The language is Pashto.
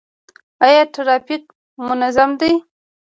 آیا ټرافیک منظم دی؟